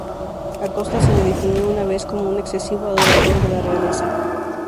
A Costa se le definió una vez como un excesivo adorador de la Realeza.